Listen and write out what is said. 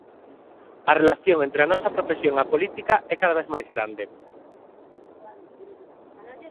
A relación entre a nosa profesión e a política é cada vez máis grande.